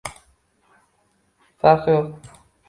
Farqi yo’q